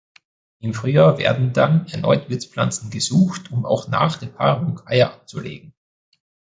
Im Frühjahr werden dann erneut Wirtspflanzen gesucht, um auch nach der Paarung Eier abzulegen.